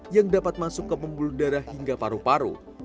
yang dapat masuk ke pembuluh darah hingga paru paru